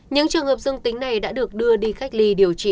những trường hợp dương tính này đã được đưa đi cách ly điều trị